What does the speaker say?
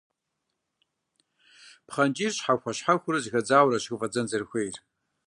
Пхъэнкӏийр, щхьэхуэ-щхьэхуэурэ зэхэдзаурэщ хыфӏэдзэн зэрыхуейр.